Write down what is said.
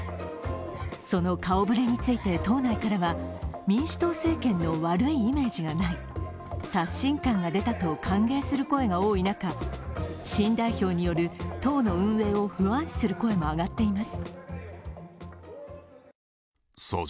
その顔ぶれについて党内からは民主党政権の悪いイメージがない、刷新感が出たと歓迎する声が多い中、新代表による党の運営を不安視する声も上がっています。